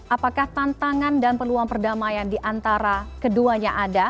apakah tantangan dan peluang perdamaian di antara keduanya ada